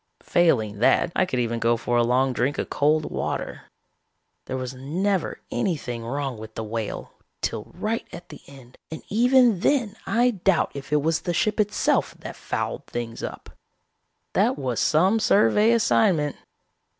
Failing that, I could even go for a long drink of cold water. There was never anything wrong with the Whale till right at the end and even then I doubt if it was the ship itself that fouled things up. "That was some survey assignment.